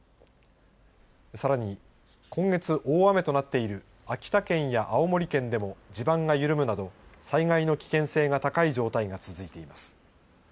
さらに今月大雨となっている秋田県や青森県でも地盤が緩むなど災害の危険性が高い状態が続いています。